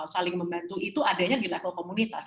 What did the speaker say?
saling membantu itu adanya di level komunitas